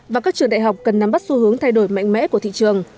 và các trường đại học cần nắm bắt xu hướng thay đổi mạnh mẽ của thị trường